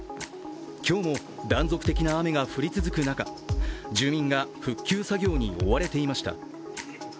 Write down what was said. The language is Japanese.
今日も断続的な雨が降り続く中、住民が復旧作業に追われていました。